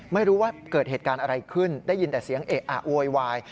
ไม่รู้ว่าเกิดเหตุการณ์อะไรขึ้นได้ยินแต่เสียงเอะอะโวยวาย